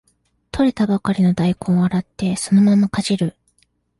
採れたばかりの大根を洗ってそのままかじる